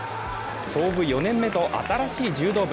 創部４年目と新しい柔道部。